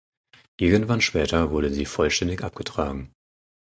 Irgendwann später wurde sie vollständig abgetragen.